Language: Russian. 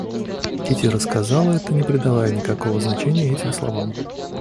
Кити рассказала это, не придавая никакого значения этим словам.